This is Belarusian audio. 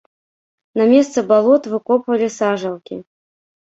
На месцы балот выкопвалі сажалкі!